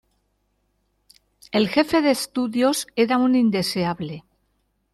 El jefe de estudios era un indeseable.